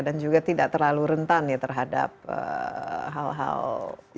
juga tidak terlalu rentan ya terhadap hal hal